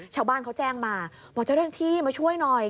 ชาวบ้านเขาแจ้งมาบอกเจ้าหน้าที่มาช่วยหน่อย